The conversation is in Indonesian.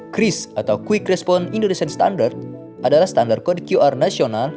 kris atau quick respon indonesian standard adalah standar kode qr nasional